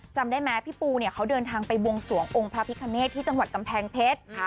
จำได้ไหมพี่ปูเนี่ยเขาเดินทางไปบวงสวงองค์พระพิคเนตที่จังหวัดกำแพงเพชร